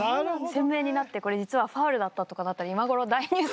鮮明になってこれ実はファウルだったとかだったら今頃大ニュースでした。